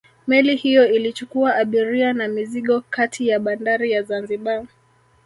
Meli hiyo ilichukua abiria na mizigo kati ya bandari ya Zanzibar